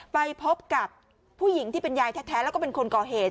ไปพบกับผู้หญิงที่เป็นยายแท้แล้วก็เป็นคนก่อเหตุ